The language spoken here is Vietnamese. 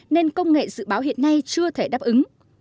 nên công nghệ dự báo hiện nay chưa thể đáp ứng